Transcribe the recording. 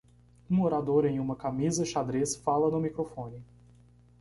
Um orador em uma camisa xadrez fala no microfone.